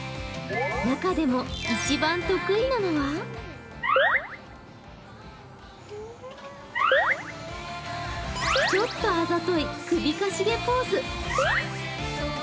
中でも一番得意なのはちょっとあざとい首かしげポーズ。